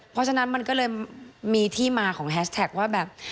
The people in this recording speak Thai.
เพราะฉะนั้นมันก็เลยมีที่มาของแฮชแท็กว่าแบบ